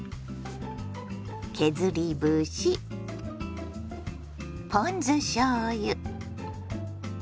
削り節ポン酢しょうゆ